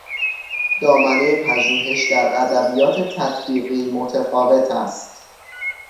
دامنه پژوهش در ادبیات تطبیقی متفاوت است